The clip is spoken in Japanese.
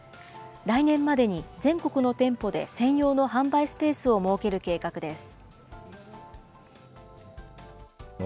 来年までに全国の店舗で専用の販売スペースを設ける計画です。